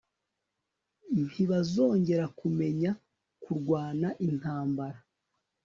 Ntibazongera kumenya kurwana intambara